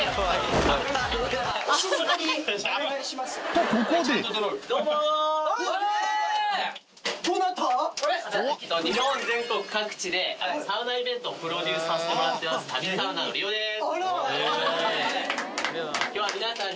とここで日本全国各地でサウナイベントをプロデュースさせてもらってますＴＡＢＩＳＡＵＮＡのリオです。